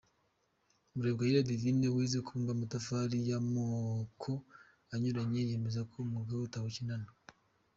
Murebwayire Divine wize kubumba amatafari y’amoko anyuranye, yemeza ko umwuga we atawukenana.